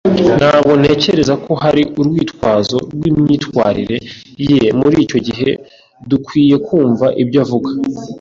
Ntabwo ntekereza ko hari urwitwazo rwimyitwarire ye. Muri icyo gihe, dukwiye kumva ibyo avuga